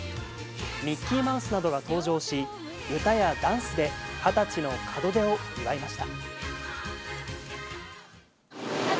ミッキーマウスなどが登場し、歌やダンスで二十歳の門出を祝いました。